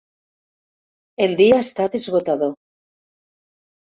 El dia ha estat esgotador.